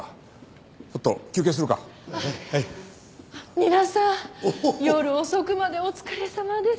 皆さん夜遅くまでお疲れさまです。